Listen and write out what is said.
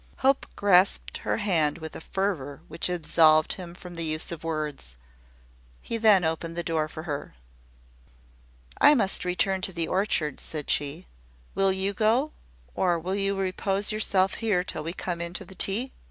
Hope grasped her hand with a fervour which absolved him from the use of words. He then opened the door for her. "I must return to the orchard," said she. "Will you go? or will you repose yourself here till we come in to tea?"